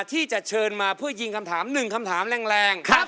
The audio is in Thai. ที่จะเชิญมาเพื่อยิงคำถาม๑คำถามแรง